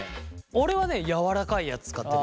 俺はねやわらかいやつ使ってる。